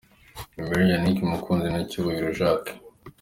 Emery, Yannick Mukunzi na Cyubahiro Jacques.